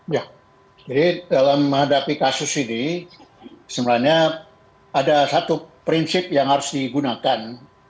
ya jadi dalam menghadapi kasus ini sebenarnya ada satu prinsip yang harus digunakan